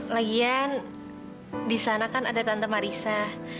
lagian disana kan ada tante marissa